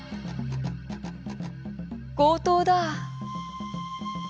強盗だ！